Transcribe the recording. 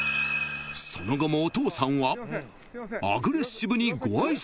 ［その後もお父さんはアグレッシブにご挨拶回り］